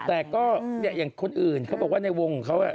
แต่ก็อย่างคนอื่นเขาบอกว่าในวงของเขา